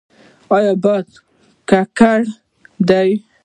او اباد کړی دی.